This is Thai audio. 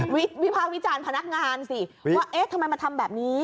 วิภาควิจารณ์พนักงานสิว่าเอ๊ะทำไมมาทำแบบนี้